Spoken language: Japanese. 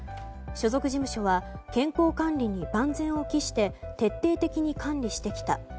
所属事務所は健康管理に万全を期して徹底的に管理してきた。